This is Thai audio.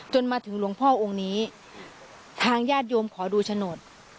มาถึงหลวงพ่อองค์นี้ทางญาติโยมขอดูโฉนด